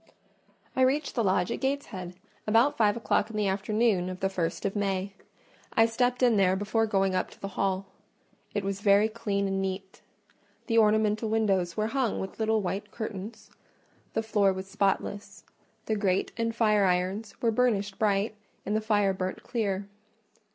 I reached the lodge at Gateshead about five o'clock in the afternoon of the first of May: I stepped in there before going up to the hall. It was very clean and neat: the ornamental windows were hung with little white curtains; the floor was spotless; the grate and fire irons were burnished bright, and the fire burnt clear.